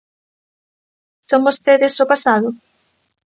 ¿Son vostedes o pasado?